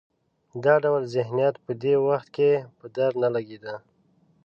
دا ډول ذهنیت په دې وخت کې په درد نه لګېده.